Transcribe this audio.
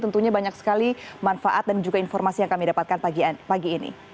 tentunya banyak sekali manfaat dan juga informasi yang kami dapatkan pagi ini